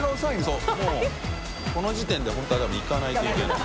そうもうこの時点で本当は多分行かないといけない。